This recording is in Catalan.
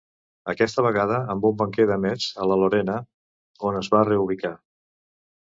Aquesta vegada amb un banquer de Metz a la Lorena, on es va reubicar.